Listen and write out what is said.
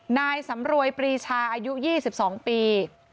นายสำรวยปรีชาอายุ๒๒ปี